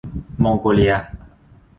มองโกเลีย